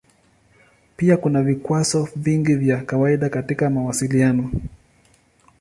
Pia kuna vikwazo vingi vya kawaida katika mawasiliano.